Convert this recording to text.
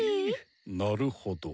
なるほど。